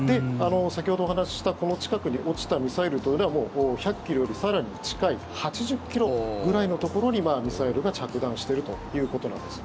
先ほどお話ししたこの近くに落ちたミサイルというのはもう１００ｋｍより更に近い８０ｋｍぐらいのところにミサイルが着弾しているということなんです。